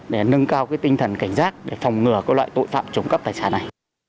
để nâng cao tinh thần cảnh giác để phòng ngừa các loại tội phạm trộm cắp tài sản này